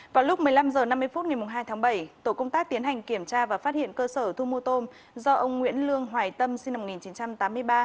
vào lúc một mươi năm h năm mươi phút ngày hai tháng bảy tổ công tác tiến hành kiểm tra và phát hiện cơ sở thu mua tôm do ông nguyễn lương hoài tâm sinh năm một nghìn chín trăm tám mươi ba